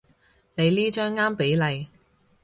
你呢張啱比例